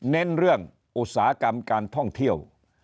เน้นเรื่องอุตสาหกรรมการท่องเที่ยว